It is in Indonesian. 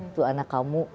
itu anak kamu